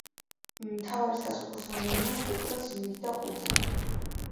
მთავარი სასოფლო-სამეურნეო კულტურა სიმინდი და ყურძენი.